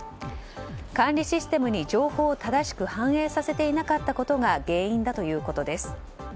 管理システムに情報を正しく反映させていなかったことが原因だということです。